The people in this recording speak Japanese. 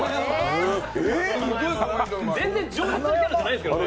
全然じょう舌なキャラじゃないですけどね。